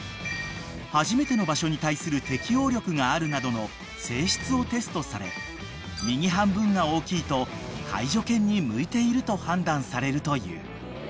「初めての場所に対する適応力がある」などの性質をテストされ右半分が大きいと介助犬に向いていると判断されるという］